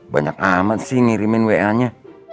banyak amat sih ngirimin wa nya